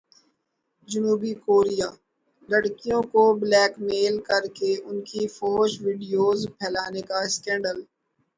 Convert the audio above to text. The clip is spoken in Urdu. جنوبی کوریا لڑکیوں کو بلیک میل کرکے ان کی فحش ویڈیوز پھیلانے کا اسکینڈل